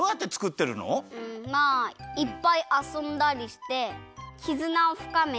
まあいっぱいあそんだりしてきずなをふかめて。